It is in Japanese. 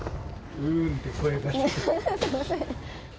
すみません。